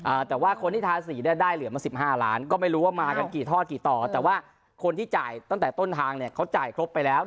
อ่าแต่ว่าคนที่ทาสีเนี่ยได้เหลือมาสิบห้าล้านก็ไม่รู้ว่ามากันกี่ทอดกี่ต่อแต่ว่าคนที่จ่ายตั้งแต่ต้นทางเนี่ยเขาจ่ายครบไปแล้ว